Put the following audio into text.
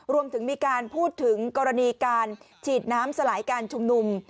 รวมถึงมีการพูดถึงกรณีการฉีดน้ำสลายการชุมนุม